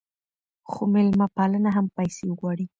خو میلمه پالنه هم پیسې غواړي.